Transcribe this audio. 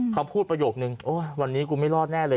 คำพูดประโยคนึงโอ้ยวันนี้กูไม่รอดแน่เลย